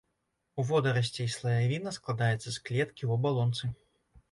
У водарасцей слаявіна складаецца з клеткі ў абалонцы.